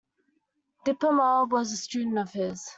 Dipa Ma was a student of his.